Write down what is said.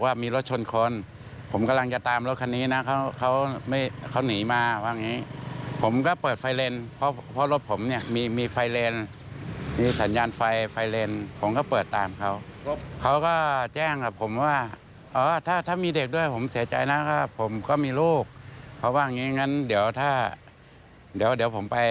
ว่าถ้าเดี๋ยวผมไปผมตามไปที่ป้อมเขาว่าอย่างนี้